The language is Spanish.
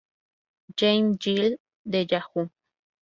Jaime Gill, de Yahoo!